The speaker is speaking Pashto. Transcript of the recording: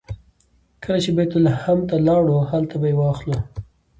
کله چې بیت لحم ته لاړو هلته به یې واخلو.